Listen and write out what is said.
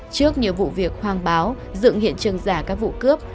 trước nhiều vụ việc hoang báo dựng hiện trường giả các vụ cướp